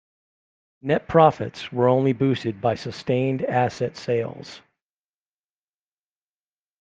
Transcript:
Net profits were only boosted by sustained asset sales.